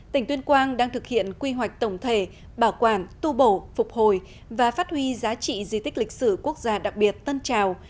tỉnh tuyên quang đang thực hiện quy hoạch tổng thể bảo quản tu bổ phục hồi và phát huy giá trị di tích lịch sử quốc gia đặc biệt tân trào